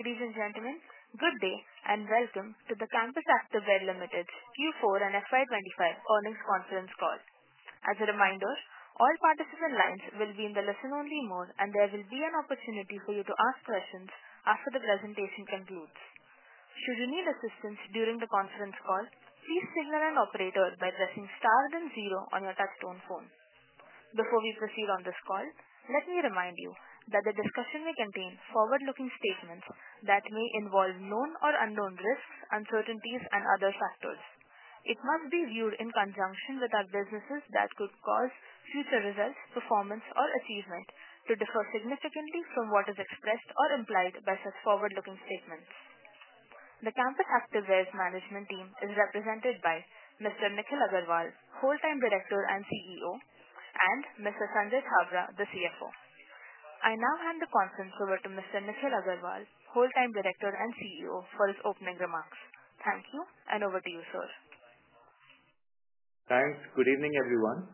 Ladies and gentlemen, good day and welcome to the Campus Activewear Limited Q4 and FY2025 earnings conference call. As a reminder, all participant lines will be in the listen-only mode, and there will be an opportunity for you to ask questions after the presentation concludes. Should you need assistance during the conference call, please signal an operator by pressing star then zero on your touch-tone phone. Before we proceed on this call, let me remind you that the discussion may contain forward-looking statements that may involve known or unknown risks, uncertainties, and other factors. It must be viewed in conjunction with our businesses that could cause future results, performance, or achievement to differ significantly from what is expressed or implied by such forward-looking statements. The Campus Activewear Management Team is represented by Mr. Nikhil Aggarwal, Whole Time Director and CEO, and Mr. Sanjay Chhabra, the CFO. I now hand the conference over to Mr. Nikhil Aggarwal, Whole Time Director and CEO, for his opening remarks. Thank you, and over to you, sir. Thanks. Good evening, everyone.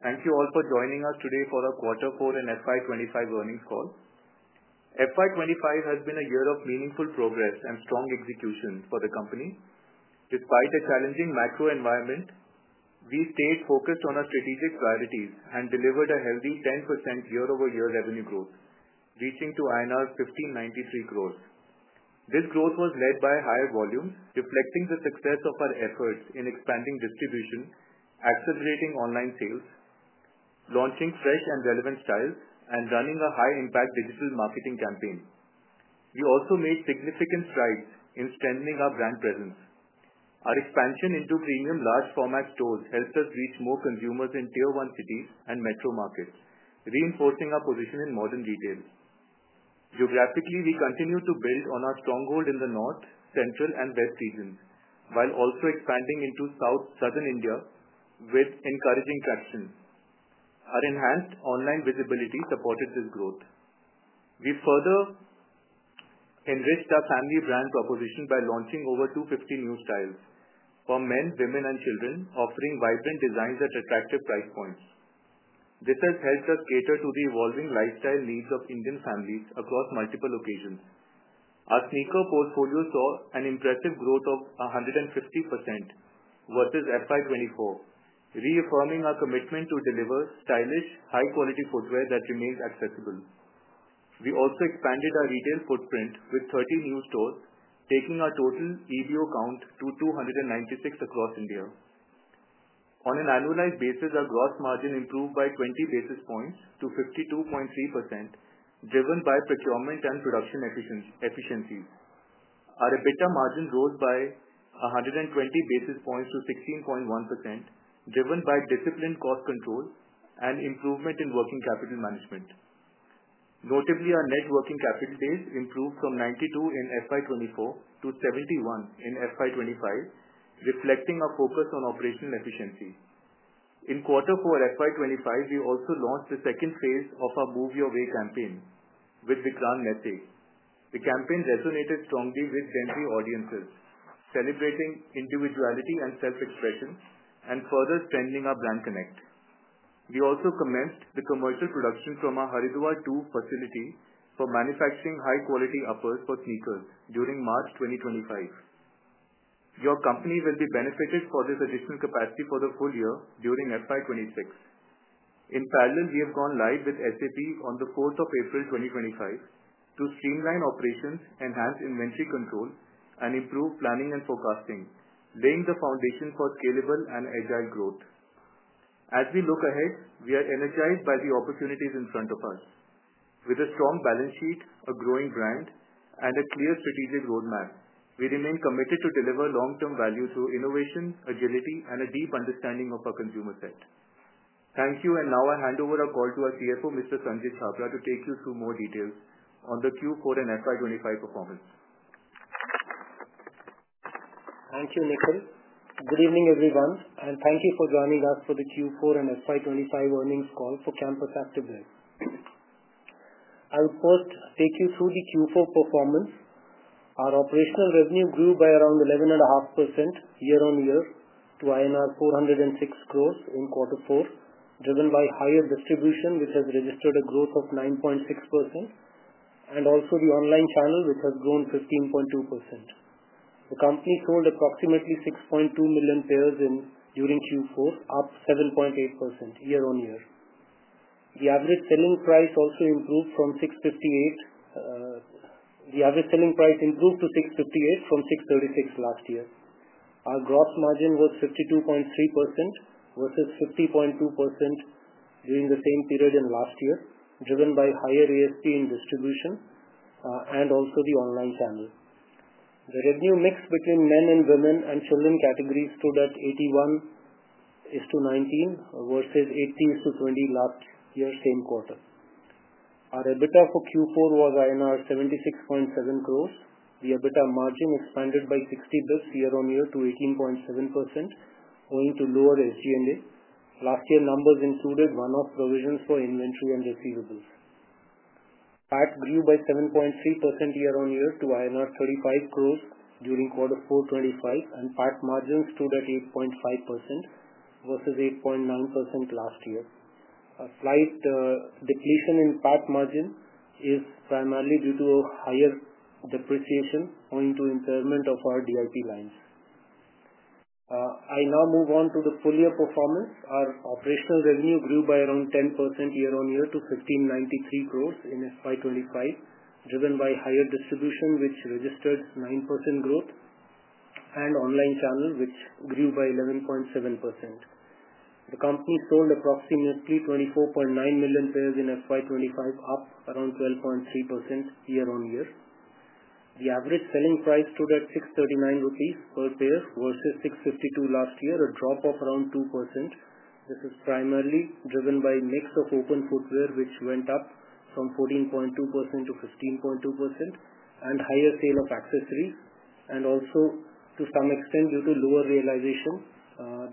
Thank you all for joining us today for our Quarter four and FY2025 earnings call. FY2025 has been a year of meaningful progress and strong execution for the company. Despite a challenging macro environment, we stayed focused on our strategic priorities and delivered a healthy 10% year-over-year revenue growth, reaching to INR 1,593 crore. This growth was led by higher volumes, reflecting the success of our efforts in expanding distribution, accelerating online sales, launching fresh and relevant styles, and running a high-impact digital marketing campaign. We also made significant strides in strengthening our brand presence. Our expansion into premium large-format stores helped us reach more consumers in tier-one cities and metro markets, reinforcing our position in modern retail. Geographically, we continue to build on our stronghold in the north, central, and west regions, while also expanding into southern India with encouraging traction. Our enhanced online visibility supported this growth. We further enriched our family brand proposition by launching over 250 new styles for men, women, and children, offering vibrant designs at attractive price points. This has helped us cater to the evolving lifestyle needs of Indian families across multiple occasions. Our sneaker portfolio saw an impressive growth of 150% versus FY2024, reaffirming our commitment to deliver stylish, high-quality footwear that remains accessible. We also expanded our retail footprint with 30 new stores, taking our total EBO count to 296 across India. On an annualized basis, our gross margin improved by 20 basis points to 52.3%, driven by procurement and production efficiencies. Our EBITDA margin rose by 120 basis points to 16.1%, driven by disciplined cost control and improvement in working capital management. Notably, our net working capital base improved from 92 in FY 2024 to 71 in FY 2025, reflecting our focus on operational efficiency. In Quarter four FY 2025, we also launched the second phase of our Move Your Way campaign with Vikran Nethi. The campaign resonated strongly with genuine audiences, celebrating individuality and self-expression, and further strengthening our brand connect. We also commenced the commercial production from our Haridwar 2 facility for manufacturing high-quality uppers for sneakers during March 2025. Your company will be benefited from this additional capacity for the full year during FY 2026. In parallel, we have gone live with SAP on April 4, 2025, to streamline operations, enhance inventory control, and improve planning and forecasting, laying the foundation for scalable and agile growth. As we look ahead, we are energized by the opportunities in front of us. With a strong balance sheet, a growing brand, and a clear strategic roadmap, we remain committed to deliver long-term value through innovation, agility, and a deep understanding of our consumer set. Thank you, and now I hand over our call to our CFO, Mr. Sanjay Chhabra, to take you through more details on the Q4 and FY 2025 performance. Thank you, Nikhil. Good evening, everyone, and thank you for joining us for the Q4 and FY2025 earnings call for Campus Activewear. I will first take you through the Q4 performance. Our operational revenue grew by around 11.5% year-on-year to INR 406 crore in Q4, driven by higher distribution, which has registered a growth of 9.6%, and also the online channel, which has grown 15.2%. The company sold approximately 6.2 million pairs during Q4, up 7.8% year-on-year. The average selling price also improved from 658 from 636 last year. Our gross margin was 52.3% versus 50.2% during the same period in last year, driven by higher ASP in distribution and also the online channel. The revenue mix between men and women and children categories stood at 81:19 versus 80:20 last year, same quarter. Our EBITDA for Q4 was INR 76.7 crore. The EBITDA margin expanded by 60 basis points year-on-year to 18.7%, owing to lower SG&A. Last year, numbers included one-off provisions for inventory and receivables. PAT grew by 7.3% year-on-year to INR 35 crore during Q4 2025, and PAT margin stood at 8.5% versus 8.9% last year. A slight depletion in PAT margin is primarily due to higher depreciation, owing to impairment of our DIP lines. I now move on to the full year performance. Our operational revenue grew by around 10% year-on-year to 1,593 crore in FY 2025, driven by higher distribution, which registered 9% growth, and online channel, which grew by 11.7%. The company sold approximately 24.9 million pairs in FY 2025, up around 12.3% year-on-year. The average selling price stood at 639 rupees per pair versus 652 last year, a drop of around 2%. This is primarily driven by a mix of open footwear, which went up from 14.2% to 15.2%, and higher sale of accessories, and also to some extent due to lower realization,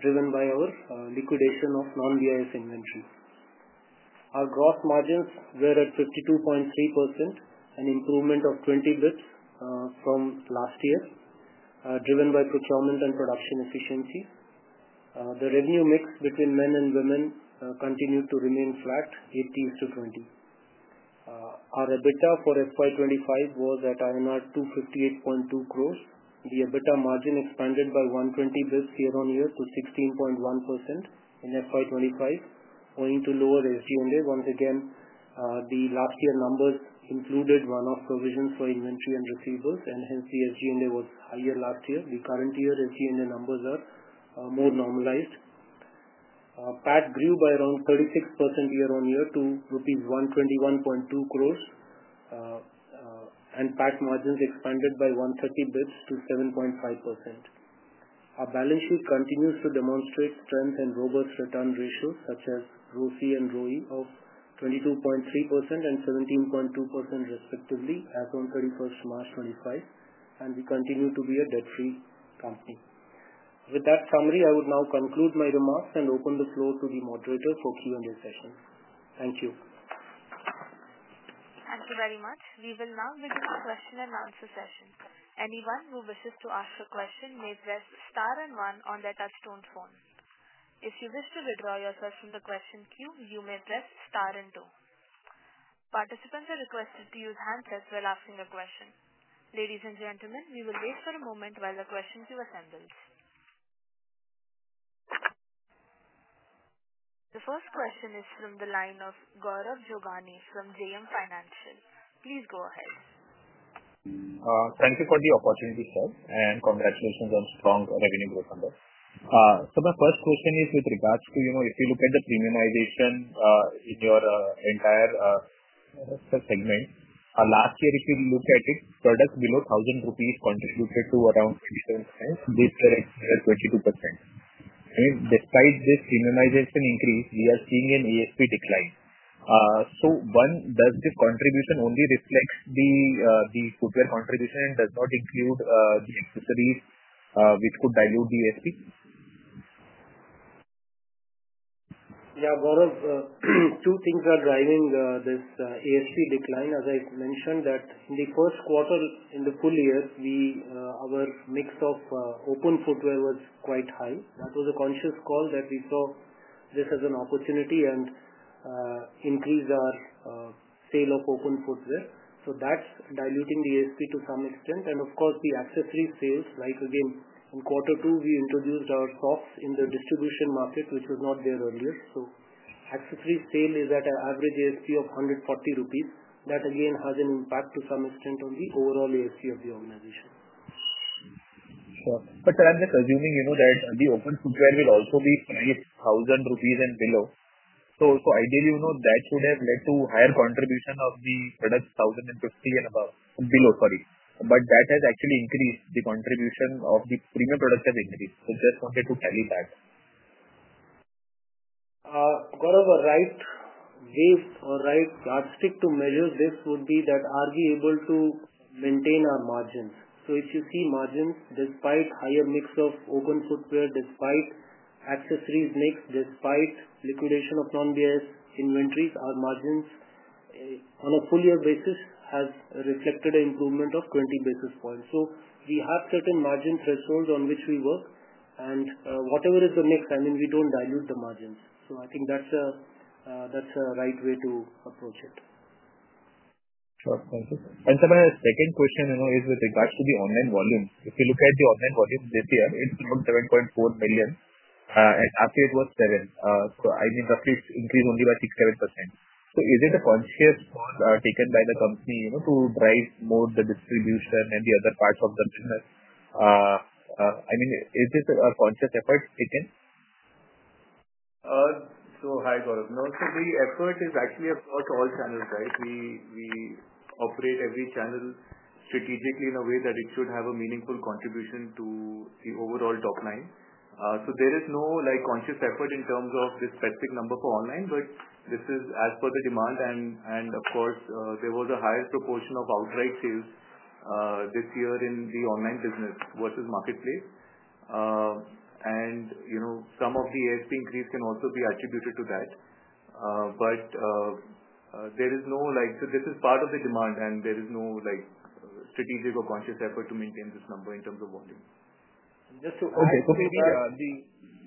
driven by our liquidation of non-BIS inventory. Our gross margins were at 52.3%, an improvement of 20 basis points from last year, driven by procurement and production efficiencies. The revenue mix between men and women continued to remain flat, 80:20. Our EBITDA for FY2025 was at INR 258.2 crore. The EBITDA margin expanded by 120 basis points year-on-year to 16.1% in FY2025, owing to lower SG&A. Once again, the last year numbers included one-off provisions for inventory and receivables, and hence the SG&A was higher last year. The current year SG&A numbers are more normalized. PAT grew by around 36% year-on-year to INR 121.2 crore, and PAT margins expanded by 130 basis points to 7.5%. Our balance sheet continues to demonstrate strength and robust return ratios, such as ROSI and ROI of 22.3% and 17.2%, respectively, as on 31 March 2025, and we continue to be a debt-free company. With that summary, I would now conclude my remarks and open the floor to the moderator for Q&A session. Thank you. Thank you very much. We will now begin the question and answer session. Anyone who wishes to ask a question may press star and one on their touch-tone phone. If you wish to withdraw yourself from the question queue, you may press star and two. Participants are requested to use hands as well asking a question. Ladies and gentlemen, we will wait for a moment while the question queue assembles. The first question is from the line of Gaurav Jogani from JM Financial. Please go ahead. Thank you for the opportunity, sir, and congratulations on strong revenue growth on that. My first question is with regards to if you look at the premiumization in your entire segment, last year, if you look at it, products below 1,000 rupees contributed to around 27%, this year it's 22%. I mean, despite this premiumization increase, we are seeing an ASP decline. Does this contribution only reflect the footwear contribution and does not include the accessories which could dilute the ASP? Yeah, Gaurav, two things are driving this ASP decline. As I mentioned, that in the first quarter in the full year, our mix of open footwear was quite high. That was a conscious call that we saw this as an opportunity and increased our sale of open footwear. That is diluting the ASP to some extent. Of course, the accessory sales, like again, in Q2, we introduced our socks in the distribution market, which was not there earlier. Accessory sale is at an average ASP of 140 rupees. That, again, has an impact to some extent on the overall ASP of the organization. Sure. But sir, I'm just assuming that the open footwear will also be 1,000 rupees and below. So ideally, that should have led to higher contribution of the products 1,050 and below, sorry. But that has actually increased. The contribution of the premium products has increased. So just wanted to tally that. Gaurav, a right wave or right yardstick to measure this would be that are we able to maintain our margins? If you see margins, despite higher mix of open footwear, despite accessories mix, despite liquidation of non-BIS inventories, our margins on a full-year basis have reflected an improvement of 20 basis points. We have certain margin thresholds on which we work, and whatever is the mix, I mean, we do not dilute the margins. I think that is a right way to approach it. Sure, thank you. Sir, my second question is with regards to the online volume. If you look at the online volume this year, it is around 7.4 million, and last year it was 7. I million mean, roughly it has increased only by 6% to 7%. Is it a conscious call taken by the company to drive more the distribution and the other parts of the business? I mean, is this a conscious effort taken? Hi, Gaurav. No, the effort is actually across all channels, right? We operate every channel strategically in a way that it should have a meaningful contribution to the overall top line. There is no conscious effort in terms of this specific number for online, but this is as per the demand, and of course, there was a higher proportion of outright sales this year in the online business versus marketplace. Some of the ASP increase can also be attributed to that. This is part of the demand, and there is no strategic or conscious effort to maintain this number in terms of volume. Okay, so maybe the.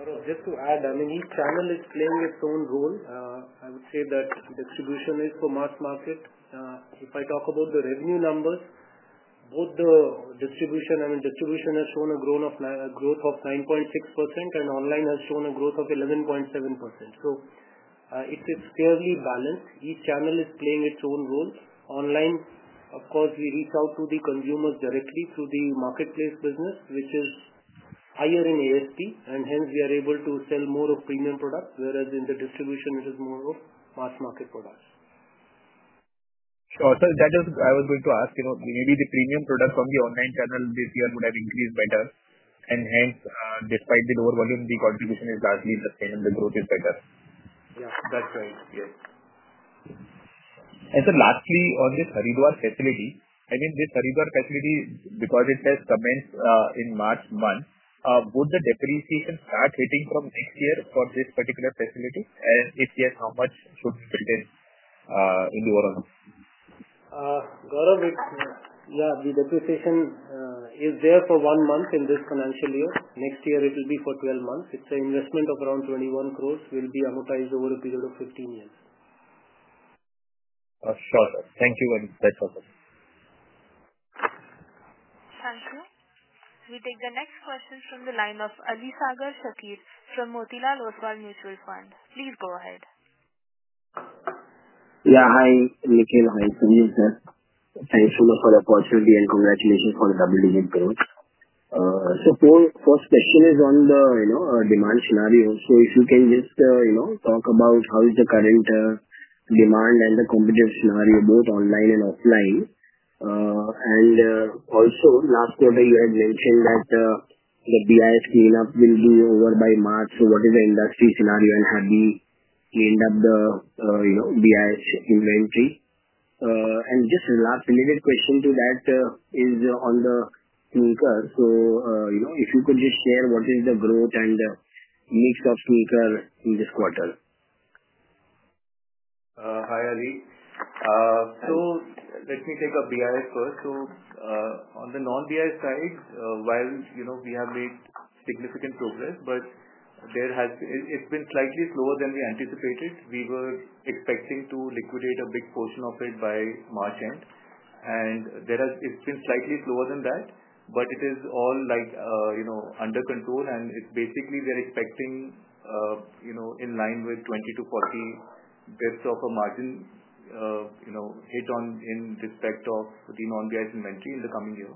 Yeah. Gaurav, just to add, I mean, each channel is playing its own role. I would say that distribution is for mass market. If I talk about the revenue numbers, both the distribution and distribution has shown a growth of 9.6%, and online has shown a growth of 11.7%. It is fairly balanced. Each channel is playing its own role. Online, of course, we reach out to the consumers directly through the marketplace business, which is higher in ASP, and hence we are able to sell more of premium products, whereas in the distribution, it is more of mass market products. Sure. That is I was going to ask, maybe the premium products on the online channel this year would have increased better, and hence, despite the lower volume, the contribution is largely the same, and the growth is better. Yeah, that's right, yes. Sir, lastly, on this Haridwar facility, I mean, this Haridwar facility, because it has commenced in March month, would the depreciation start hitting from next year for this particular facility? If yes, how much should be built in in the overall? Gaurav, yeah, the depreciation is there for one month in this financial year. Next year, it will be for 12 months. It's an investment of around 21 crore will be amortized over a period of 15 years. Sure, sir. Thank you, and that's all. Thank you. We take the next question from the line of Alisagar Shakir from Motilal Oswal Mutual Fund. Please go ahead. Yeah, hi, Nikhil, hi. Thank you, sir. Thanks so much for the opportunity, and congratulations for the double-digit payment. First question is on the demand scenario. If you can just talk about how is the current demand and the competitive scenario, both online and offline. Also, last quarter, you had mentioned that the BIS cleanup will be over by March. What is the industry scenario, and have we cleaned up the BIS inventory? Just a last related question to that is on the sneakers. If you could just share what is the growth and mix of sneaker in this quarter. Hi, Ali. Let me take BIS first. On the non-BIS side, while we have made significant progress, it has been slightly slower than we anticipated. We were expecting to liquidate a big portion of it by March end, and it has been slightly slower than that, but it is all under control, and basically we are expecting in line with 20-40 basis points of a margin hit in respect of the non-BIS inventory in the coming year,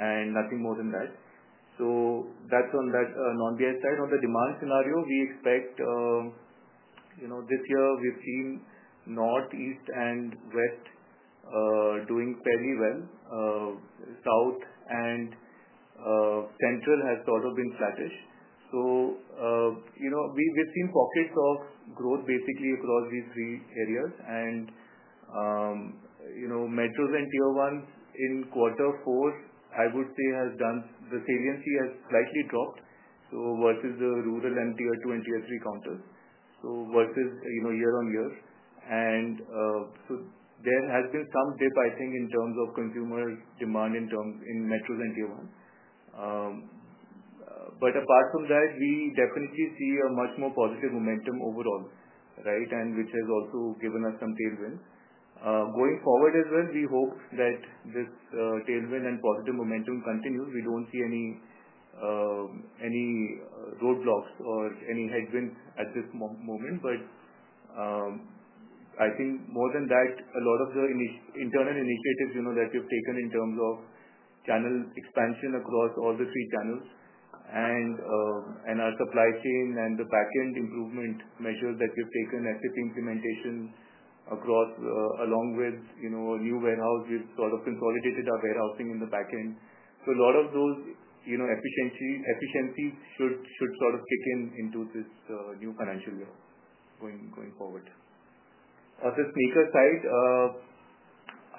and nothing more than that. That is on the non-BIS side. On the demand scenario, we expect this year we have seen northeast and west doing fairly well. South and central have sort of been flattish. We've seen pockets of growth basically across these three areas, and metros and tier ones in quarter four, I would say, the saliency has slightly dropped versus the rural and tier two and tier three counters, so versus year on year. There has been some dip, I think, in terms of consumer demand in metros and tier ones. Apart from that, we definitely see a much more positive momentum overall, right, and which has also given us some tailwind. Going forward as well, we hope that this tailwind and positive momentum continues. We do not see any roadblocks or any headwinds at this moment, but I think more than that, a lot of the internal initiatives that we have taken in terms of channel expansion across all the three channels and our supply chain and the backend improvement measures that we have taken, SAP implementation along with new warehouse, we have sort of consolidated our warehousing in the backend. A lot of those efficiencies should sort of kick into this new financial year going forward. On the sneaker side,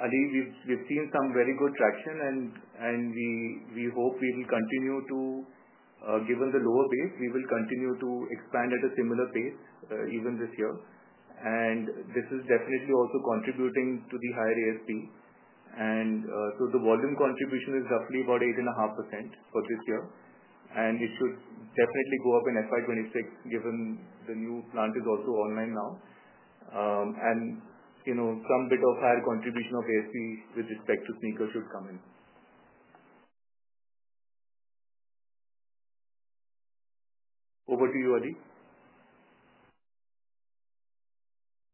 Ali, we have seen some very good traction, and we hope we will continue to, given the lower pace, we will continue to expand at a similar pace even this year. This is definitely also contributing to the higher ASP. The volume contribution is roughly about 8.5% for this year, and it should definitely go up in FY 2026 given the new plant is also online now. Some bit of higher contribution of ASP with respect to sneaker should come in. Over to you, Ali.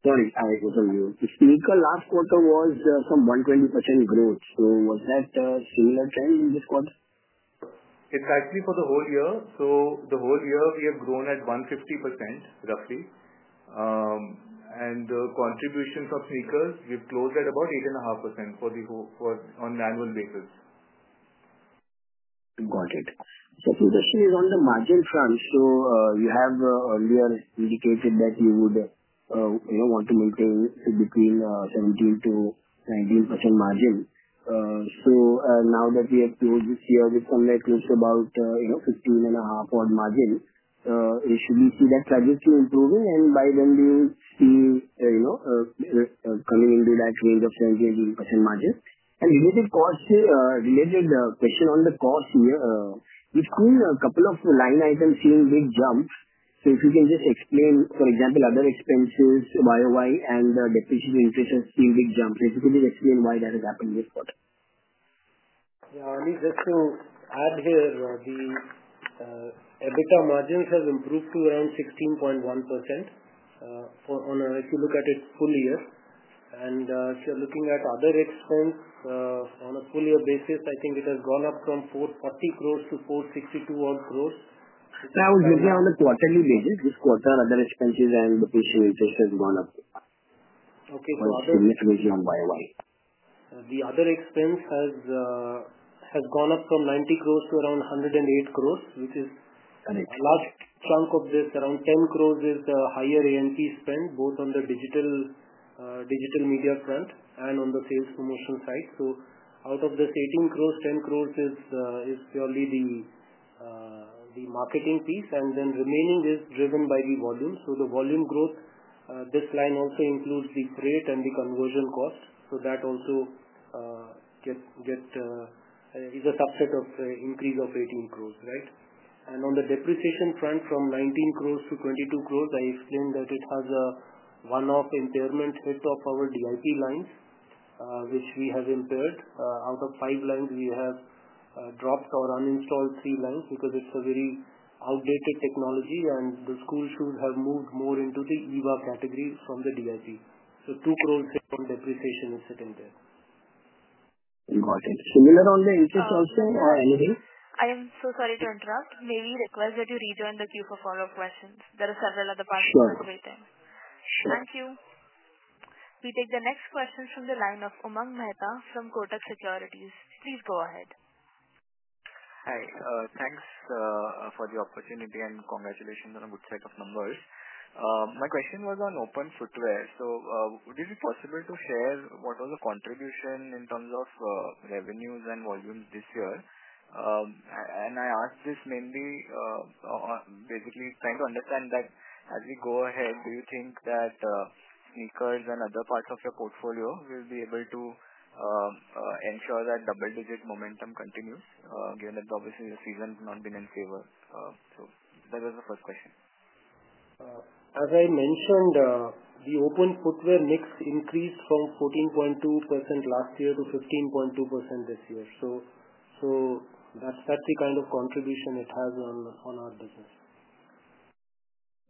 Sorry, hi, good to see you. The sneaker last quarter was some 120% growth. Was that a similar trend in this quarter? It's actually for the whole year. So the whole year, we have grown at 150%, roughly. And the contributions of sneakers, we've closed at about 8.5% on an annual basis. Got it. If your question is on the margin front, you have earlier indicated that you would want to maintain between 17-19% margin. Now that we have closed this year with somewhere close to about 15.5% margin, should we see that trajectory improving? By then, will we see coming into that range of 17-18% margin? A related question on the cost here, we have seen a couple of line items seeing big jumps. If you can just explain, for example, other expenses year-over-year, and the depreciation interest has seen big jumps. If you could just explain why that has happened this quarter. Yeah, Ali, just to add here, the EBITDA margins have improved to around 16.1% if you look at it full year. If you're looking at other expense, on a full-year basis, I think it has gone up from 4.40 billion to 4.62 billion. That was usually on a quarterly basis. This quarter, other expenses and depreciation interest have gone up. Okay, so other. Or significantly on YOY. The other expense has gone up from 900 million to around 1,080 million, which is a large chunk of this. Around 100 million is the higher ANP spend, both on the digital media front and on the sales promotion side. Out of this 180 million, 100 million is purely the marketing piece, and then remaining is driven by the volume. The volume growth, this line also includes the freight and the conversion cost. That also is a subset of increase of 180 million, right? On the depreciation front, from 190 million to 220 million, I explained that it has a one-off impairment hit of our DIP lines, which we have impaired. Out of five lines, we have dropped or uninstalled three lines because it is a very outdated technology, and the school shoes have moved more into the EVA category from the DIP. 2 crore hit on depreciation is sitting there. Got it. Similar on the interest also or anything? I am so sorry to interrupt. May we request that you rejoin the queue for follow-up questions? There are several other participants waiting. Sure. Thank you. We take the next question from the line of Umang Mehta from Kotak Securities. Please go ahead. Hi, thanks for the opportunity and congratulations on a good set of numbers. My question was on open footwear. Would it be possible to share what was the contribution in terms of revenues and volumes this year? I ask this mainly basically trying to understand that as we go ahead, do you think that sneakers and other parts of your portfolio will be able to ensure that double-digit momentum continues, given that obviously the season has not been in favor? That was the first question. As I mentioned, the open footwear mix increased from 14.2% last year to 15.2% this year. That's the kind of contribution it has on our business.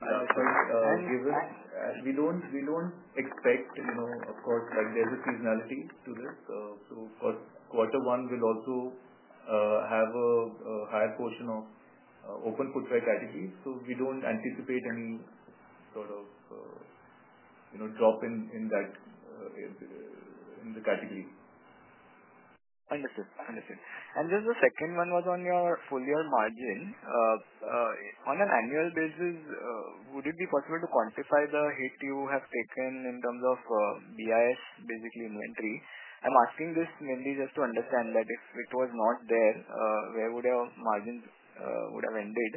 As we don't expect, of course, there's a seasonality to this. Of course, quarter one will also have a higher portion of open footwear categories. We don't anticipate any sort of drop in the category. Understood. Understood. The second one was on your full-year margin. On an annual basis, would it be possible to quantify the hit you have taken in terms of BIS, basically inventory? I'm asking this mainly just to understand that if it was not there, where would your margins have ended?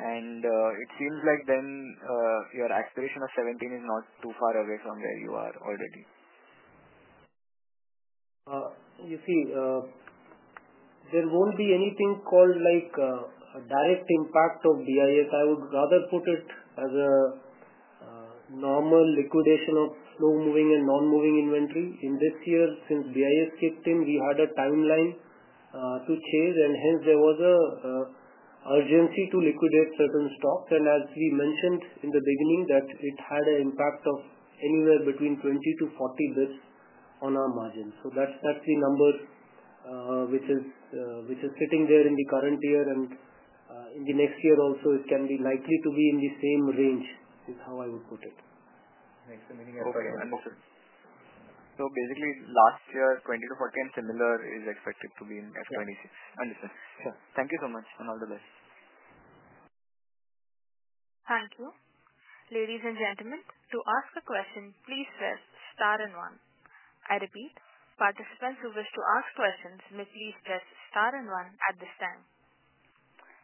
It seems like your aspiration of 17 is not too far away from where you are already. You see, there will not be anything called direct impact of BIS. I would rather put it as a normal liquidation of slow-moving and non-moving inventory. In this year, since BIS kicked in, we had a timeline to chase, and hence there was an urgency to liquidate certain stocks. As we mentioned in the beginning, it had an impact of anywhere between 20-40 basis points on our margin. That is the number which is sitting there in the current year, and in the next year also, it can likely be in the same range, is how I would put it. Makes sense. Okay, understood. Basically, last year, 20-40, and similar is expected to be at 26. Understood. Sure. Thank you so much, and all the best. Thank you. Ladies and gentlemen, to ask a question, please press star and one. I repeat, participants who wish to ask questions, may please press star and one at this time.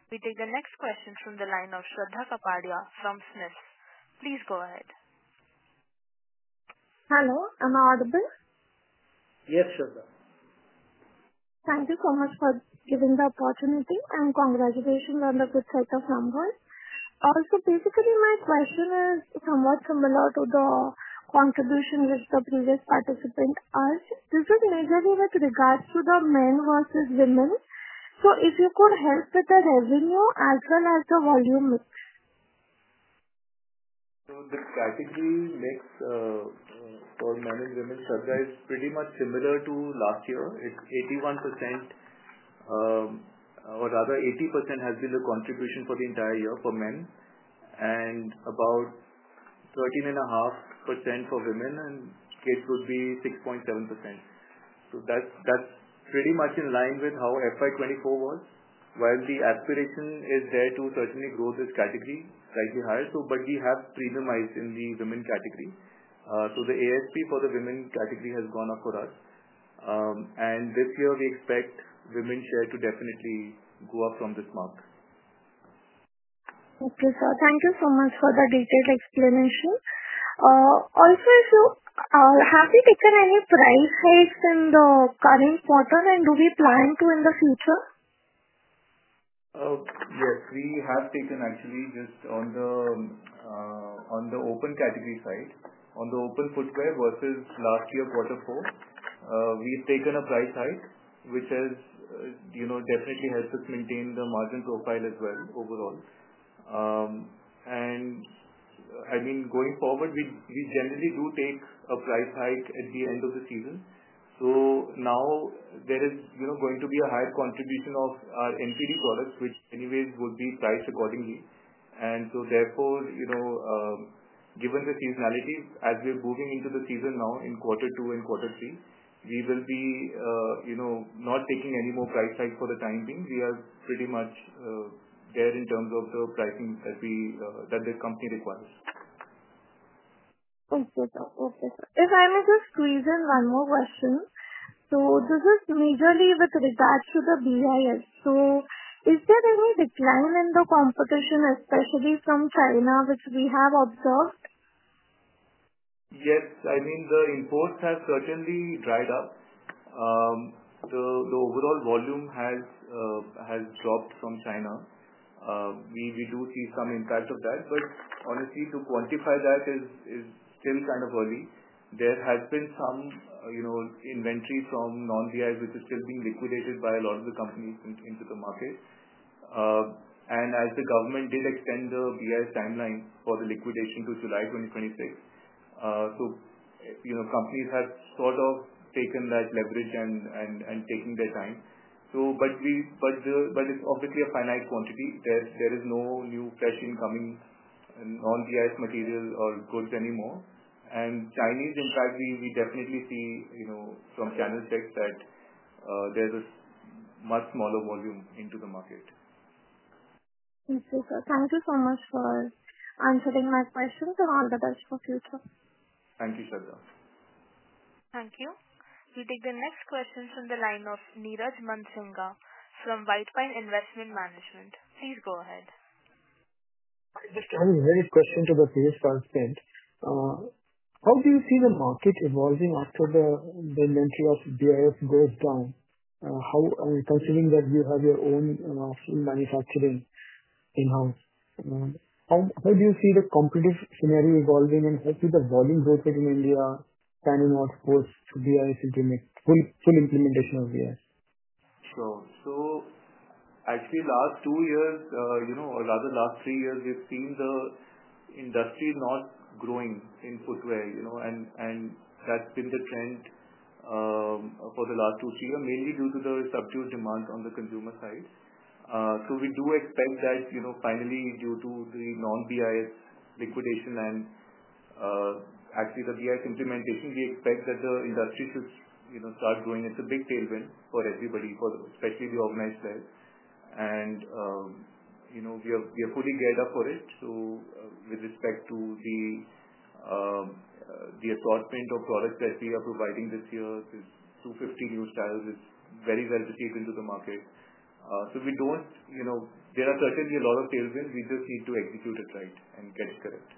We take the next question from the line of Shraddha Kapadia from Smith. Please go ahead. Hello, am I audible? Yes, Shraddha. Thank you so much for giving the opportunity and congratulations on the good set of numbers. Also, basically, my question is somewhat similar to the contribution which the previous participant asked. This is majorly with regards to the men versus women. If you could help with the revenue as well as the volume mix. The strategy mix for men and women, Shraddha, is pretty much similar to last year. It is 81%, or rather 80%, has been the contribution for the entire year for men, and about 13.5% for women, and kids would be 6.7%. That is pretty much in line with how FY 2024 was, while the aspiration is there to certainly grow this category slightly higher. We have premiumized in the women category, so the ASP for the women category has gone up for us. This year, we expect women's share to definitely go up from this mark. Okay, sir. Thank you so much for the detailed explanation. Also, have we taken any price hikes in the current quarter, and do we plan to in the future? Yes, we have taken actually just on the open category side, on the open footwear versus last year quarter four, we've taken a price hike, which has definitely helped us maintain the margin profile as well overall. I mean, going forward, we generally do take a price hike at the end of the season. Now there is going to be a higher contribution of our NPD products, which anyways would be priced accordingly. Therefore, given the seasonality, as we're moving into the season now in quarter two and quarter three, we will be not taking any more price hikes for the time being. We are pretty much there in terms of the pricing that the company requires. Okay, sir. Okay, sir. If I may just squeeze in one more question. This is majorly with regards to the BIS. Is there any decline in the competition, especially from China, which we have observed? Yes. I mean, the imports have certainly dried up. The overall volume has dropped from China. We do see some impact of that, but honestly, to quantify that is still kind of early. There has been some inventory from non-BIS, which is still being liquidated by a lot of the companies into the market. As the government did extend the BIS timeline for the liquidation to July 2026, companies have sort of taken that leverage and taken their time. It is obviously a finite quantity. There is no new fresh incoming non-BIS materials or goods anymore. Chinese, in fact, we definitely see from channel checks that there is a much smaller volume into the market. Thank you, sir. Thank you so much for answering my questions. All the best for future. Thank you, Shraddha. Thank you. We take the next question from the line of Neeraj Man Singa from White Pine Investment Management. Please go ahead. I just have a very question to the previous participant. How do you see the market evolving after the inventory of BIS goes down? Considering that you have your own manufacturing in-house, how do you see the competitive scenario evolving, and hopefully the volume growth within India, China North Coast, BIS implementation, full implementation of BIS? Sure. Actually, last two years, or rather last three years, we've seen the industry not growing in footwear. That's been the trend for the last two-three years, mainly due to the subdued demand on the consumer side. We do expect that finally, due to the non-BIS liquidation and actually the BIS implementation, we expect that the industry should start growing. It's a big tailwind for everybody, especially the organized players. We are fully geared up for it. With respect to the assortment of products that we are providing this year, this 250 new styles is very well received into the market. There are certainly a lot of tailwinds. We just need to execute it right and get it correct.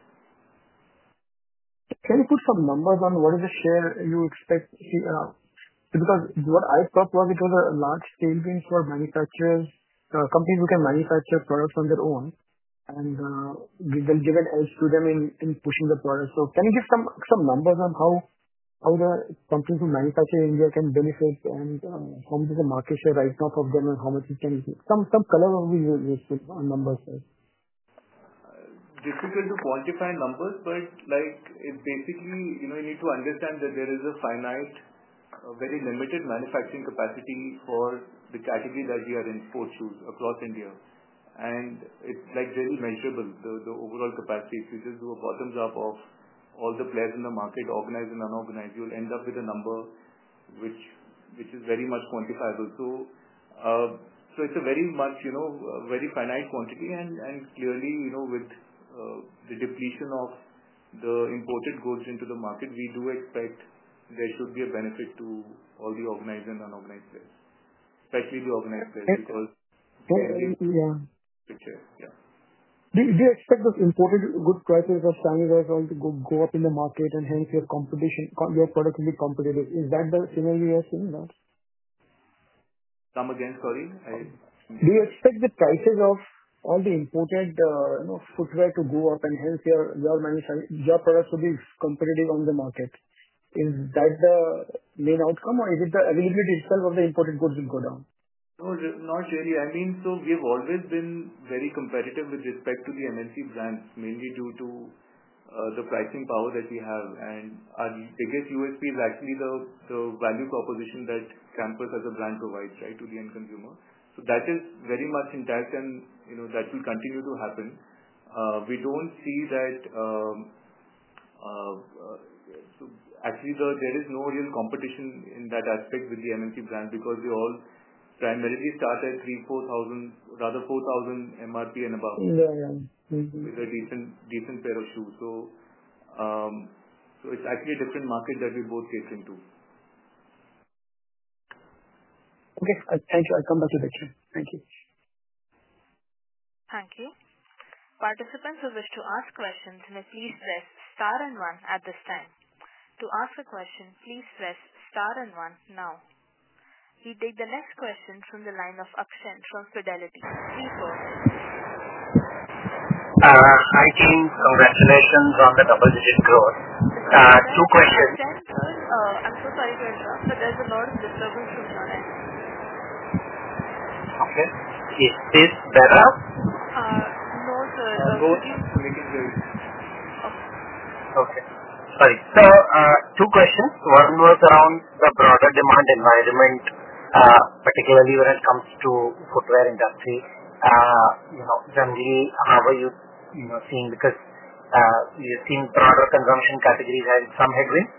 Can you put some numbers on what is the share you expect? Because what I thought was it was a large tailwind for manufacturers, companies who can manufacture products on their own, and it will give an edge to them in pushing the products. Can you give some numbers on how the companies who manufacture in India can benefit and how much the market share is right now for them and how much it can be, some color on numbers? Difficult to quantify numbers, but basically, you need to understand that there is a finite, very limited manufacturing capacity for the category that we are in, sports shoes, across India. It is very measurable, the overall capacity. If you just do a bottoms-up of all the players in the market, organized and unorganized, you'll end up with a number which is very much quantifiable. It is a very finite quantity. Clearly, with the depletion of the imported goods into the market, we do expect there should be a benefit to all the organized and unorganized players, especially the organized players because they are in the picture. Do you expect those imported good prices of Chinese as well to go up in the market, and hence your product will be competitive? Is that the scenario you're seeing now? Come again, sorry. Do you expect the prices of all the imported footwear to go up, and hence your products will be competitive on the market? Is that the main outcome, or is it the availability itself of the imported goods will go down? No, not really. I mean, we have always been very competitive with respect to the MNC brands, mainly due to the pricing power that we have. Our biggest USP is actually the value proposition that Campus as a brand provides, right, to the end consumer. That is very much intact, and that will continue to happen. We do not see that actually, there is no real competition in that aspect with the MNC brand because they all primarily start at 3,000-4,000, rather 4,000 MRP and above, with a decent pair of shoes. It is actually a different market that we are both catering to. Okay. Thank you. I'll come back to the question. Thank you. Thank you. Participants who wish to ask questions may please press star and one at this time. To ask a question, please press star and one now. We take the next question from the line of Akshant from Fidelity. Please go ahead. Hi, team. Congratulations on the double-digit growth. Two questions. Akshant, sir, I'm so sorry to interrupt, but there's a lot of disturbance from your end. Okay. Is this better? No, sir. I'm good. I'm making good. Okay. Okay. Sorry. Two questions. One was around the broader demand environment, particularly when it comes to footwear industry. Generally, how are you seeing? Because you've seen broader consumption categories have some headwinds.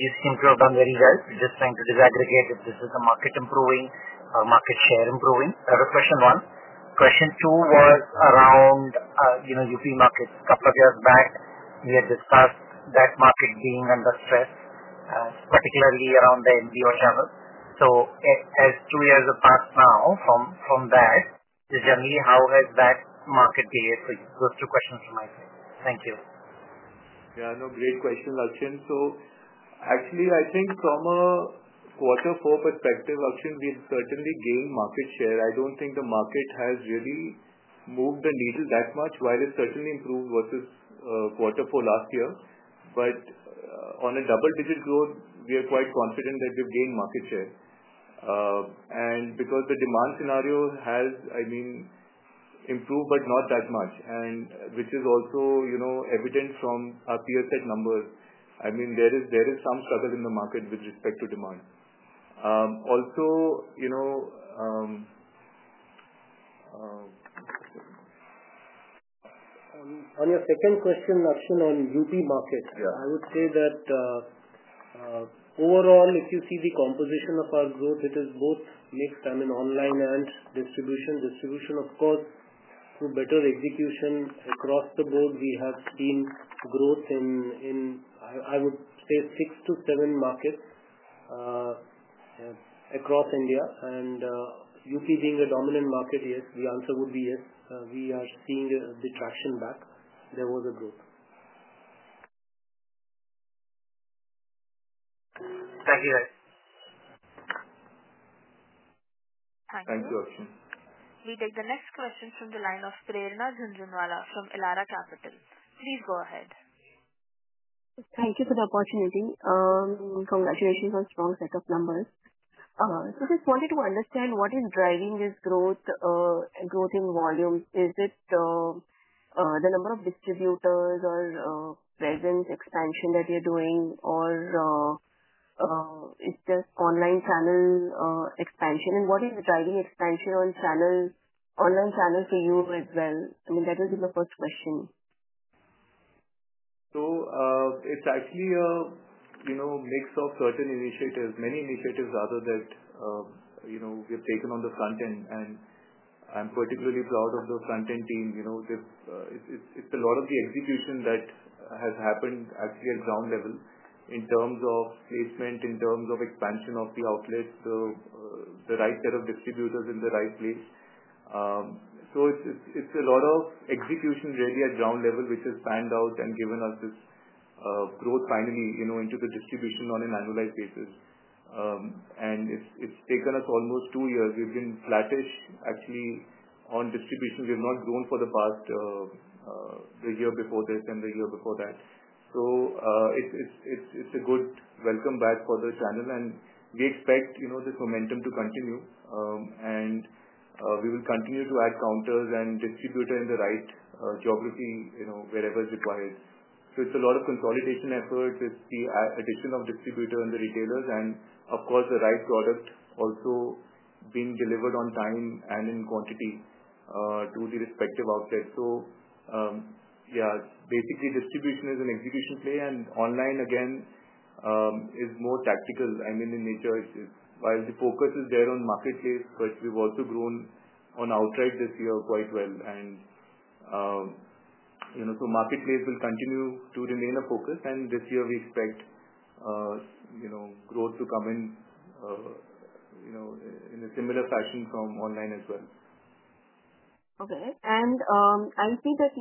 You seem to have done very well. We're just trying to disaggregate if this is the market improving or market share improving. That was question one. Question two was around UP markets. A couple of years back, we had discussed that market being under stress, particularly around the NBO channel. As two years have passed now from that, generally, how has that market behaved? Those two questions from my side. Thank you. Yeah, no, great question, Akshant. So actually, I think from a quarter four perspective, Akshant, we have certainly gained market share. I do not think the market has really moved the needle that much, while it certainly improved versus quarter four last year. On a double-digit growth, we are quite confident that we have gained market share. Because the demand scenario has, I mean, improved, but not that much, which is also evident from our PSET number. I mean, there is some struggle in the market with respect to demand. Also. On your second question, Akshant, on UP market, I would say that overall, if you see the composition of our growth, it is both mixed, I mean, online and distribution. Distribution, of course, through better execution across the board, we have seen growth in, I would say, six to seven markets across India. UP being a dominant market, yes, the answer would be yes. We are seeing the traction back. There was a growth. Thank you, guys. Thank you. Thank you, Akshant. We take the next question from the line of Prerna Zunjwala from Elara Capital. Please go ahead. Thank you for the opportunity. Congratulations on strong set of numbers. Just wanted to understand what is driving this growth in volume. Is it the number of distributors or presence expansion that you're doing, or is it just online channel expansion? What is driving expansion on online channel for you as well? I mean, that will be my first question. It is actually a mix of certain initiatives, many initiatives rather that we have taken on the front end. I am particularly proud of the front-end team. It is a lot of the execution that has happened at ground level in terms of placement, in terms of expansion of the outlets, the right set of distributors in the right place. It is a lot of execution at ground level, which has panned out and given us this growth finally into the distribution on an annualized basis. It has taken us almost two years. We have been flattish, actually, on distribution. We have not grown for the past year before this and the year before that. It is a good welcome back for the channel. We expect this momentum to continue. We will continue to add counters and distributors in the right geography wherever it is required. It's a lot of consolidation efforts. It's the addition of distributors and the retailers, and of course, the right product also being delivered on time and in quantity to the respective outlets. Yeah, basically, distribution is an execution play. Online, again, is more tactical, I mean, in nature. While the focus is there on marketplace, we've also grown on outright this year quite well. Marketplace will continue to remain a focus. This year, we expect growth to come in in a similar fashion from online as well. Okay. I see that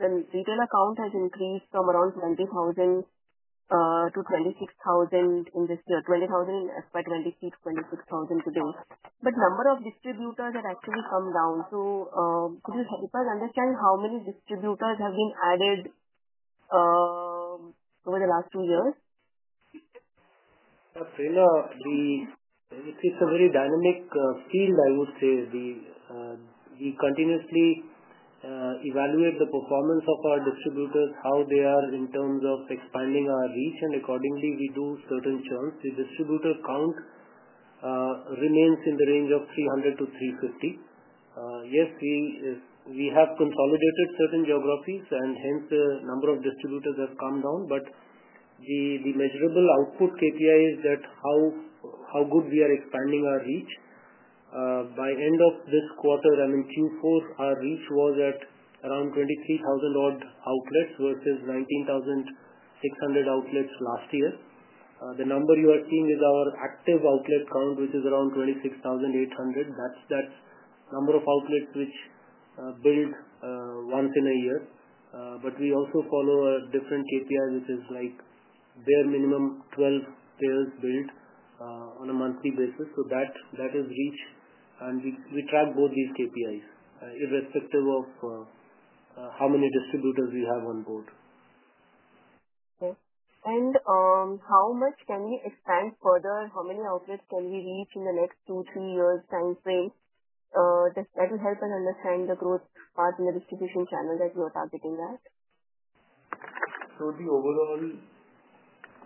the retail account has increased from around 20,000 to 26,000 in this year, 20,000 by 26,000 today. But number of distributors have actually come down. Could you help us understand how many distributors have been added over the last two years? Prerna, it's a very dynamic field, I would say. We continuously evaluate the performance of our distributors, how they are in terms of expanding our reach. Accordingly, we do certain churns. The distributor count remains in the range of 300-350. Yes, we have consolidated certain geographies, and hence the number of distributors has come down. The measurable output KPI is how good we are expanding our reach. By end of this quarter, I mean, Q4, our reach was at around 23,000 odd outlets versus 19,600 outlets last year. The number you are seeing is our active outlet count, which is around 26,800. That's the number of outlets which build once in a year. We also follow a different KPI, which is bare minimum 12 players build on a monthly basis. That is reach. We track both these KPIs, irrespective of how many distributors we have on board. Okay. How much can we expand further? How many outlets can we reach in the next two to three years' time frame? That will help us understand the growth part in the distribution channel that you are targeting at.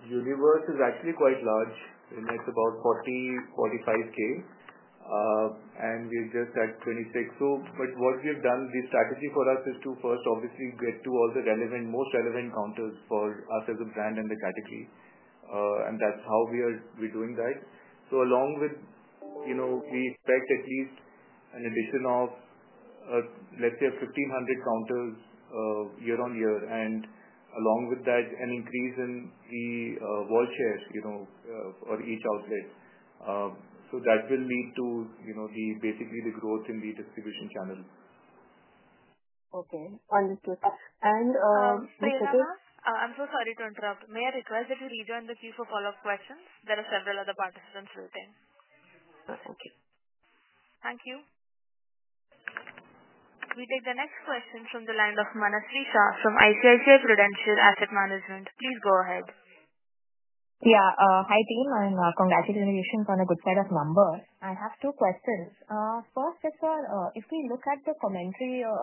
The overall universe is actually quite large. It is about 40,000-45,000. We are just at 26,000. What we have done, the strategy for us is to first, obviously, get to all the most relevant counters for us as a brand and the category. That is how we are doing that. Along with that, we expect at least an addition of, let's say, 1,500 counters year on year. Along with that, an increase in the wall share for each outlet. That will lead to basically the growth in the distribution channel. Okay. Understood. Prerna, I'm so sorry to interrupt. May I request that you rejoin the queue for follow-up questions? There are several other participants waiting. Thank you. Thank you. We take the next question from the line of Manasri Shah from ICICI Prudential Asset Management. Please go ahead. Yeah. Hi, team. Congratulations on a good set of numbers. I have two questions. First, just if we look at the commentary of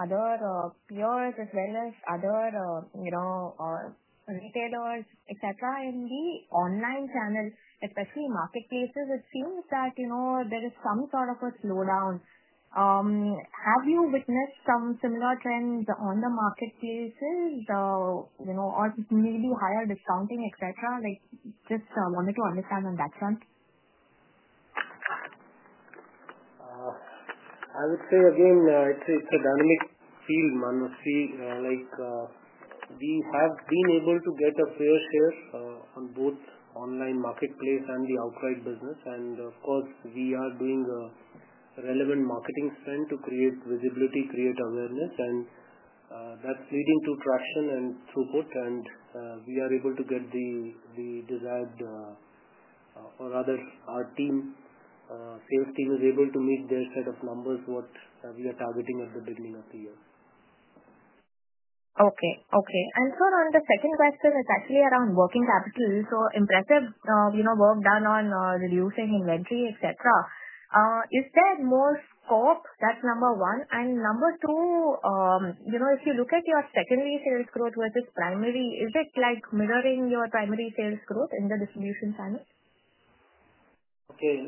other peers as well as other retailers, etc., in the online channel, especially marketplaces, it seems that there is some sort of a slowdown. Have you witnessed some similar trends on the marketplaces or maybe higher discounting, etc.? Just wanted to understand on that front. I would say, again, it's a dynamic field, Manasri. We have been able to get a fair share on both online marketplace and the outright business. We are doing a relevant marketing spend to create visibility, create awareness. That's leading to traction and throughput. We are able to get the desired or rather, our team, sales team, is able to meet their set of numbers, what we are targeting at the beginning of the year. Okay. Okay. On the second question, it's actually around working capital. Impressive work done on reducing inventory, etc. Is there more scope? That's number one. Number two, if you look at your secondary sales growth versus primary, is it mirroring your primary sales growth in the distribution channel? Okay.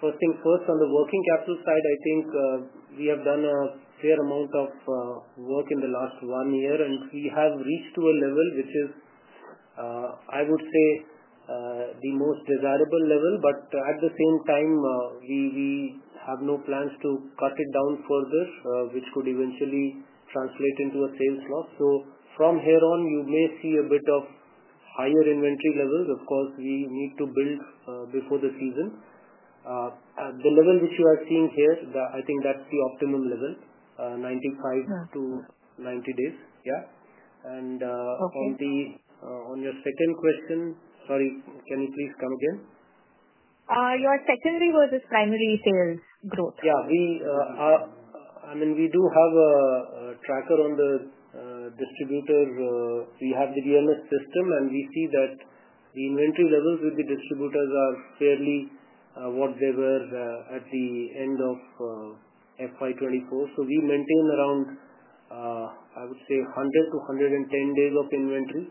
First things first, on the working capital side, I think we have done a fair amount of work in the last one year. We have reached to a level which is, I would say, the most desirable level. At the same time, we have no plans to cut it down further, which could eventually translate into a sales loss. From here on, you may see a bit of higher inventory levels. Of course, we need to build before the season. The level which you are seeing here, I think that's the optimum level, 95-90 days. Yeah. On your second question, sorry, can you please come again? Your secondary versus primary sales growth. Yeah. I mean, we do have a tracker on the distributor. We have the DLS system, and we see that the inventory levels with the distributors are fairly what they were at the end of FY2024. We maintain around 100-110 days of inventory.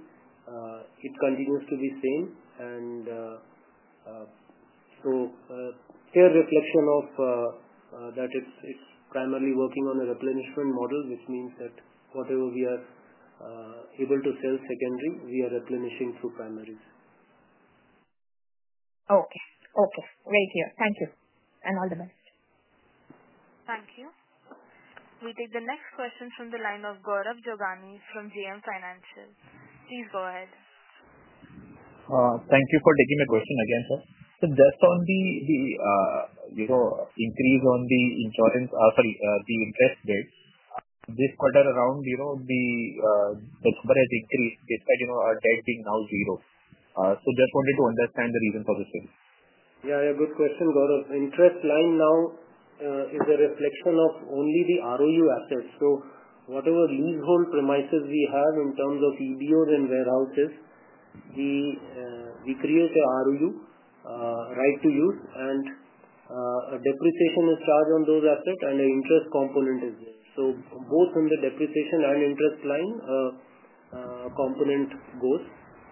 It continues to be same. A fair reflection of that is it's primarily working on a replenishment model, which means that whatever we are able to sell secondary, we are replenishing through primaries. Okay. Okay. Great here. Thank you. All the best. Thank you. We take the next question from the line of Gaurav Jogani from JM Financial. Please go ahead. Thank you for taking my question again, sir. Just on the increase on the interest rates, this quarter, around the number has increased despite our debt being now zero. Just wanted to understand the reason for the change. Yeah. Yeah. Good question, Gaurav. Interest line now is a reflection of only the ROU assets. So whatever leasehold premises we have in terms of EBOs and warehouses, we create an ROU, right to use, and a depreciation is charged on those assets, and an interest component is there. Both in the depreciation and interest line component goes.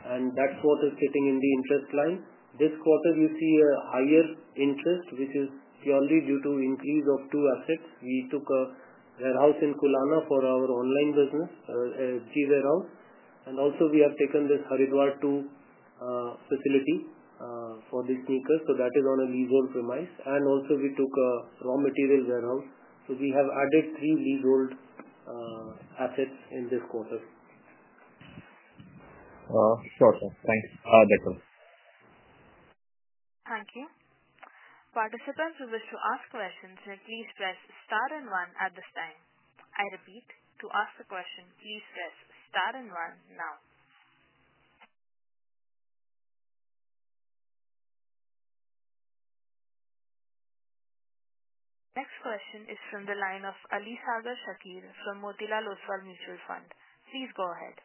That is what is sitting in the interest line. This quarter, you see a higher interest, which is purely due to increase of two assets. We took a warehouse in Kulana for our online business, G Warehouse. Also, we have taken this Haridwar 2 facility for the sneakers. That is on a leasehold premise. Also, we took a raw material warehouse. We have added three leasehold assets in this quarter. Sure, sir. Thanks. Thank you. Thank you. Participants who wish to ask questions, please press star and one at this time. I repeat, to ask a question, please press star and one now. Next question is from the line of Alisagar Shakir from Motilal Oswal Mutual Fund. Please go ahead.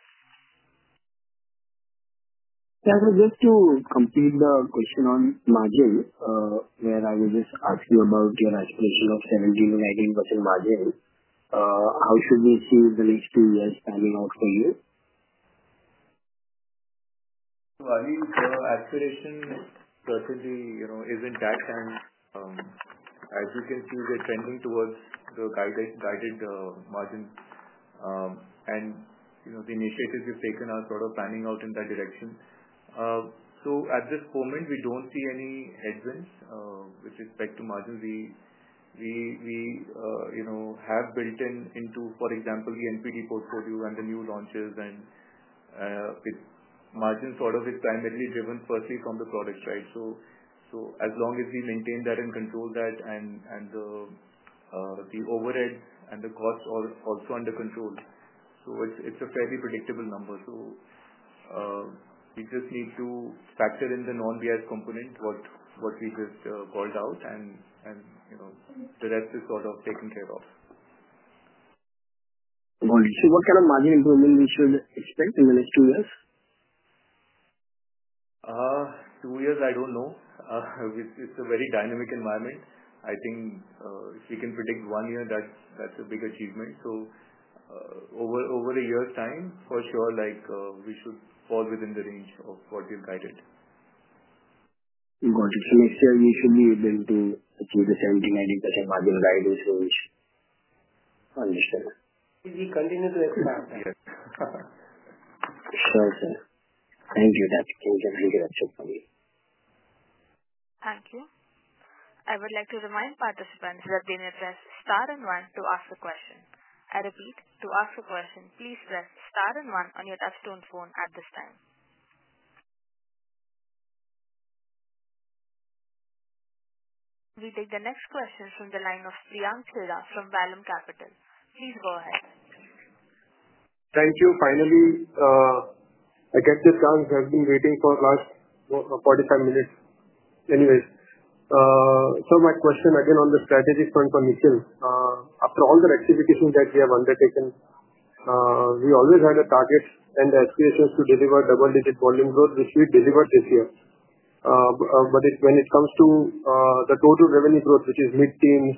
Yeah. So just to complete the question on margin, where I was just asking about your aspiration of 17-19% margin, how should we see the next two years panning out for you? I mean, the aspiration certainly is intact. As you can see, we are trending towards the guided margin. The initiatives we've taken are sort of panning out in that direction. At this moment, we don't see any headwinds with respect to margin. We have built into, for example, the NPD portfolio and the new launches. Margin is primarily driven firstly from the product side. As long as we maintain that and control that and the overhead and the cost also under control, it's a fairly predictable number. We just need to factor in the non-BIS component, what we just called out. The rest is sort of taken care of. Good morning. What kind of margin improvement should we expect in the next two years? Two years, I don't know. It's a very dynamic environment. I think if we can predict one year, that's a big achievement. Over a year's time, for sure, we should fall within the range of what we've guided. Good. Next year, we should be able to achieve the 17%-19% margin guidance range. Understood. We continue to expand. Yes. Sure, sir. Thank you. That's it for me. Thank you. I would like to remind participants that they may press star and one to ask a question. I repeat, to ask a question, please press star and one on your touchstone phone at this time. We take the next question from the line of Priyank Sheda from Vellum Capital. Please go ahead. Thank you. Finally, I guess this chance has been waiting for the last 45 minutes. Anyways, my question again on the strategy front for me, too. After all the rectification that we have undertaken, we always had a target and aspiration to deliver double-digit volume growth, which we delivered this year. When it comes to the total revenue growth, which is mid-teens,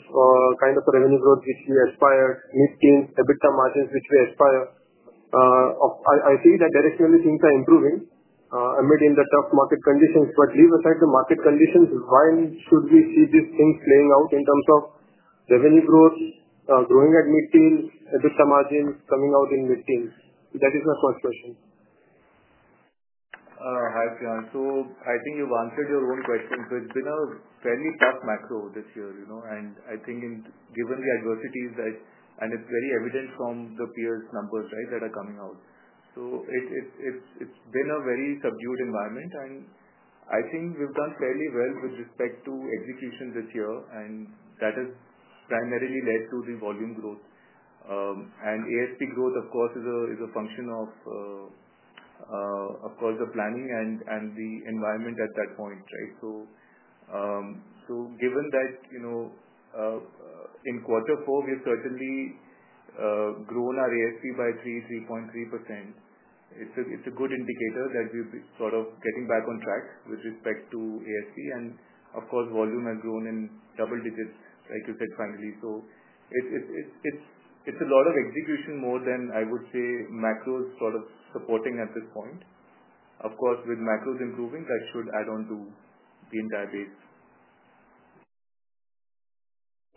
kind of a revenue growth which we aspire, mid-teens, EBITDA margins which we aspire, I feel that directionally things are improving amid the tough market conditions. Leave aside the market conditions, why should we see these things playing out in terms of revenue growth, growing at mid-teens, EBITDA margins coming out in mid-teens? That is my first question. Hi, Priyank. I think you've answered your own question. It's been a fairly tough macro this year. I think given the adversities that, and it's very evident from the peers' numbers, right, that are coming out. It's been a very subdued environment. I think we've done fairly well with respect to execution this year. That has primarily led to the volume growth. ASP growth, of course, is a function of, of course, the planning and the environment at that point, right? Given that in quarter four, we have certainly grown our ASP by 3-3.3%. It's a good indicator that we're sort of getting back on track with respect to ASP. Of course, volume has grown in double digits, like you said, finally. It's a lot of execution more than, I would say, macros sort of supporting at this point. Of course, with macros improving, that should add on to the entire base.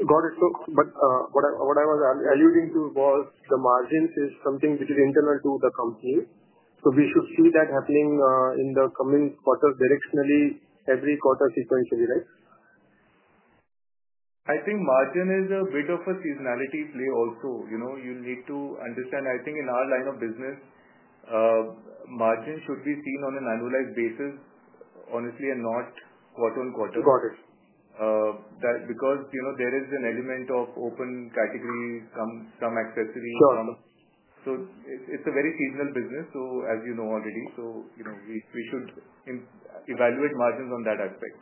Got it. What I was alluding to was the margins is something which is internal to the company. We should see that happening in the coming quarters, directionally, every quarter sequentially, right? I think margin is a bit of a seasonality play also. You need to understand, I think in our line of business, margin should be seen on an annualized basis, honestly, and not quarter on quarter. Got it. Because there is an element of open categories, some accessories. Sure. It's a very seasonal business, as you know already. We should evaluate margins on that aspect.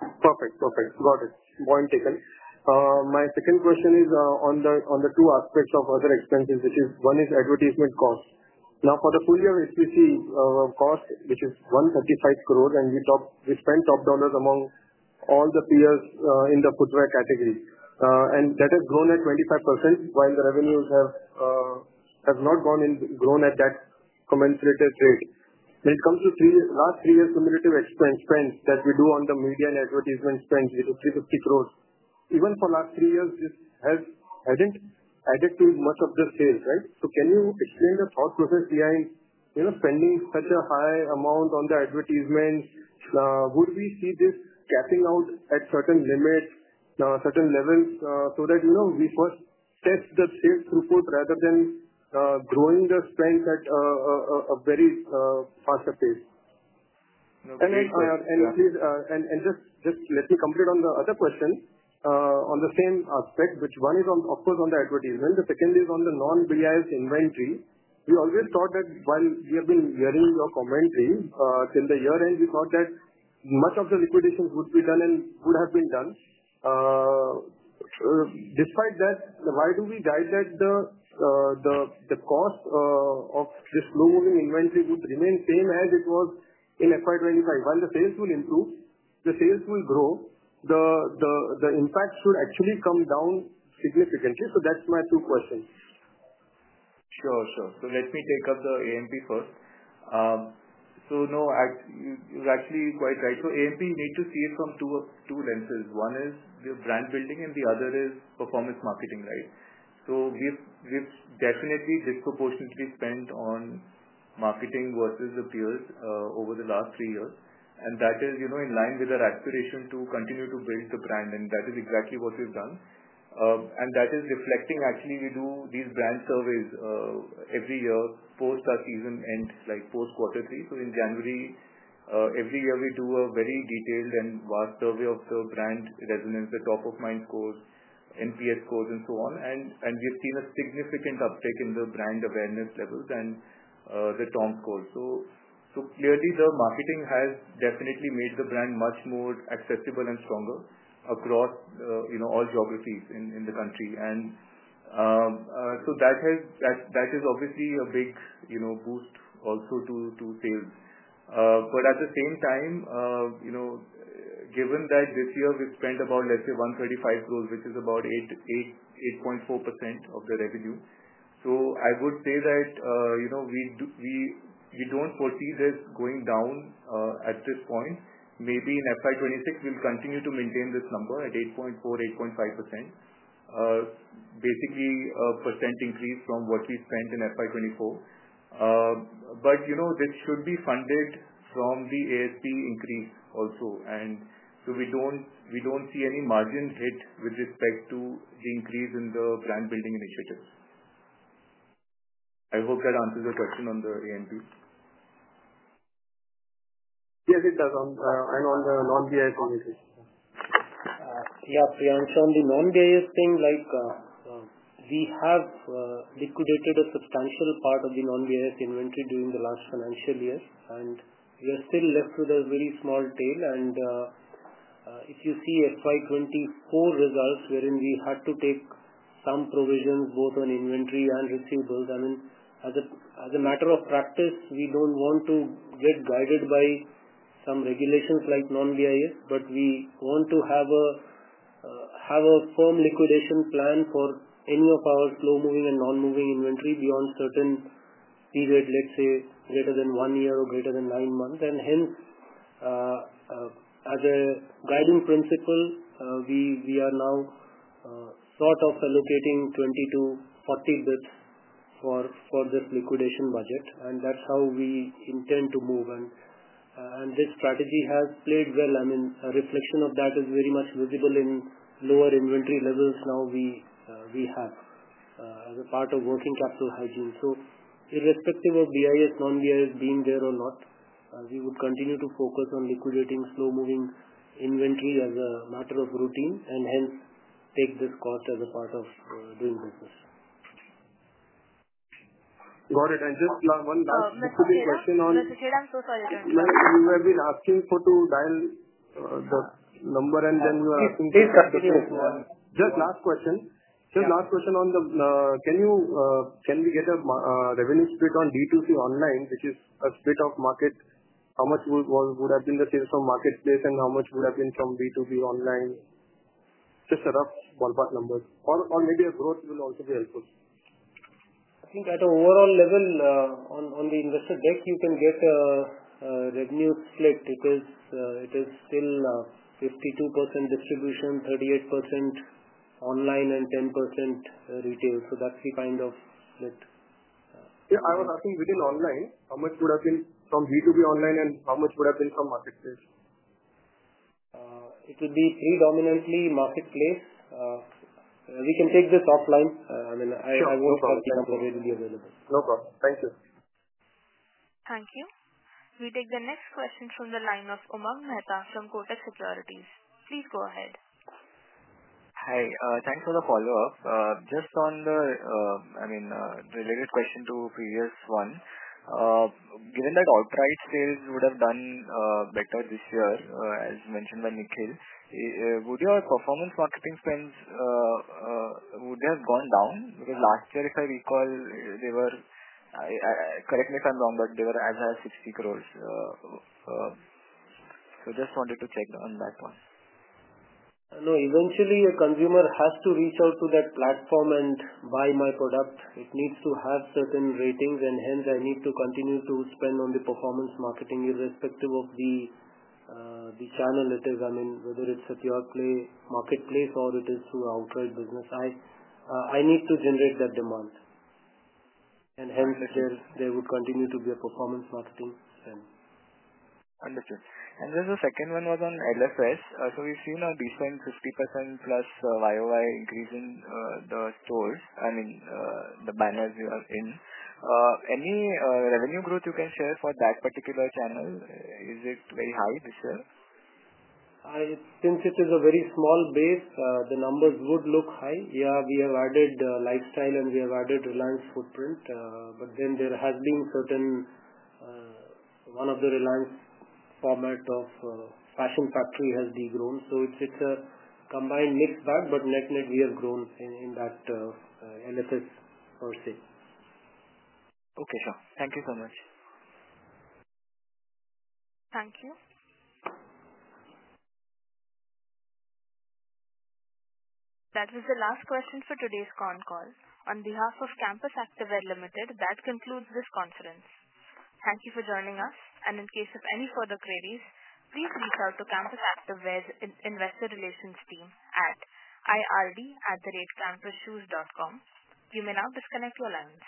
Perfect. Perfect. Got it. Point taken. My second question is on the two aspects of other expenses, which is one is advertisement cost. Now, for the full-year HPC cost, which is 135 crore, and we spent top dollars among all the peers in the footwear category. And that has grown at 25%, while the revenues have not gone and grown at that commensurative rate. When it comes to last three years' cumulative expense that we do on the media and advertisement spend, which is 350 crore, even for last three years, this has not added to much of the sales, right? So can you explain the thought process behind spending such a high amount on the advertisements? Would we see this capping out at certain limits, certain levels, so that we first test the sales throughput rather than growing the spend at a very faster pace? Let me complete on the other question on the same aspect, which one is, of course, on the advertisement. The second is on the non-BIS inventory. We always thought that while we have been hearing your commentary, till the year end, we thought that much of the liquidations would be done and would have been done. Despite that, why do we guide that the cost of this slow-moving inventory would remain same as it was in FY 2025? While the sales will improve, the sales will grow. The impact should actually come down significantly. That is my two questions. Sure. Sure. Let me take up the AMP first. No, you're actually quite right. AMP, you need to see it from two lenses. One is brand building, and the other is performance marketing, right? We have definitely disproportionately spent on marketing versus the peers over the last three years. That is in line with our aspiration to continue to build the brand. That is exactly what we have done. That is reflecting, actually, we do these brand surveys every year post our season end, post quarter three. In January every year, we do a very detailed and vast survey of the brand resonance, the top-of-mind scores, NPS scores, and so on. We have seen a significant uptick in the brand awareness levels and the TOM scores. Clearly, the marketing has definitely made the brand much more accessible and stronger across all geographies in the country. That is obviously a big boost also to sales. At the same time, given that this year we have spent about INR 135 crore, which is about 8.4% of the revenue, I would say that we do not foresee this going down at this point. Maybe in FY 2026, we will continue to maintain this number at 8.4-8.5%, basically a percent increase from what we spent in FY 2024. This should be funded from the ASP increase also. We do not see any margin hit with respect to the increase in the brand building initiatives. I hope that answers your question on the AMP. Yes, it does. On the non-BS inventory. Yeah. Priyank, on the non-BIS thing, we have liquidated a substantial part of the non-BIS inventory during the last financial year. We are still left with a very small tail. If you see FY2024 results, wherein we had to take some provisions both on inventory and receivables. I mean, as a matter of practice, we do not want to get guided by some regulations like non-BIS, but we want to have a firm liquidation plan for any of our slow-moving and non-moving inventory beyond a certain period, let's say, greater than one year or greater than nine months. Hence, as a guiding principle, we are now sort of allocating 20-40 basis points for this liquidation budget. That is how we intend to move. This strategy has played well. I mean, a reflection of that is very much visible in lower inventory levels now we have as a part of working capital hygiene. Irrespective of BIS, non-BIS being there or not, we would continue to focus on liquidating slow-moving inventory as a matter of routine and hence take this cost as a part of doing business. Got it. And just one last quick question on. Mr. Sheda, I'm so sorry to interrupt. You have been asking for to dial the number, and then you are asking for the question. Please cut the phone. Just last question. Just last question on the can we get a revenue split on D2C online, which is a split of market? How much would have been the sales from marketplace, and how much would have been from B2B online? Just a rough ballpark number. Or maybe a growth will also be helpful. I think at an overall level, on the investor deck, you can get a revenue split. It is still 52% distribution, 38% online, and 10% retail. That's the kind of split. Yeah. I was asking within online, how much would have been from B2B online and how much would have been from marketplace? It would be predominantly marketplace. We can take this offline. I mean, I won't have the revenue available. No problem. Thank you. Thank you. We take the next question from the line of Umang Mehta from Kotak Securities. Please go ahead. Hi. Thanks for the follow-up. Just on the, I mean, related question to previous one. Given that outright sales would have done better this year, as mentioned by Nikhil, would your performance marketing spends, would they have gone down? Because last year, if I recall, they were—correct me if I'm wrong—but they were as high as 60 crore. Just wanted to check on that one. No. Eventually, a consumer has to reach out to that platform and buy my product. It needs to have certain ratings, and hence I need to continue to spend on the performance marketing irrespective of the channel it is. I mean, whether it's at your play, marketplace, or it is through outright business. I need to generate that demand. Hence, there would continue to be a performance marketing spend. Understood. And then the second one was on LFS. So we've seen a decent 50%+ YOY increase in the stores, I mean, the banners you are in. Any revenue growth you can share for that particular channel? Is it very high this year? Since it is a very small base, the numbers would look high. Yeah, we have added Lifestyle, and we have added Reliance Footprint. There has been certain one of the Reliance format of fashion factory has degrown. It is a combined mixed bag, but net-net we have grown in that LFS per se. Okay. Sure. Thank you so much. Thank you. That was the last question for today's con call. On behalf of Campus Activewear Limited, that concludes this conference. Thank you for joining us. In case of any further queries, please reach out to Campus Activewear's investor relations team at ird@campuschoose.com. You may now disconnect your lines.